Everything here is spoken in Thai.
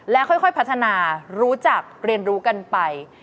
ค่อยพัฒนารู้จักเรียนรู้กันไป